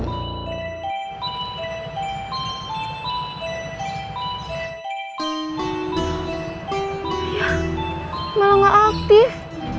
ya malah gak aktif